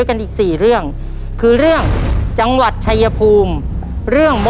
เยซ่าหลุยกำลังทำให้หน่อม้ายใส่โหลอยู่นะครับ